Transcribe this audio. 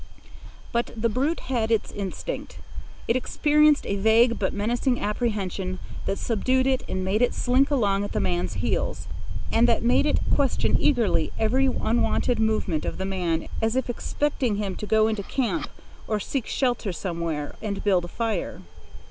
But the brute had its instinct. It experienced a vague but menacing apprehension that subdued it and made it slink along at the man's heels, and that made it question eagerly every unwonted movement of the man as if expecting him to go into camp or to seek shelter somewhere and build a fire.